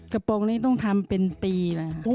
กระโปรงนี้ต้องทำเป็นปีแล้วค่ะ